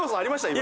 今。